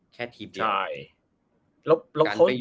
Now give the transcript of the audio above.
แค่ทีมเดียว